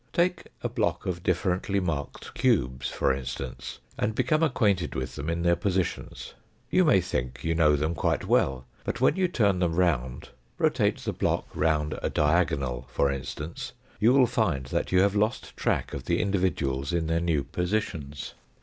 Take a block of differently marked cubes, for instance, and become ac quainted with them in their positions. You may think you know them quite well, but when you turn them round rotate the block round a diagonal, for instance you will find that you have lost track of the individuals in their new positions.